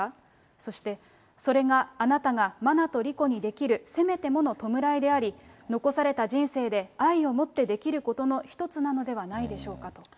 そして、それがあなたが真菜と莉子にできるせめてもの弔いであり、残された人生で、愛を持ってできることの一つなのではないでしょうかと。